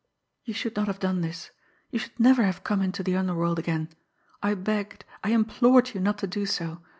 "You should not have done this. You should never have come into the underworld again. I begged, I implored you not to do so.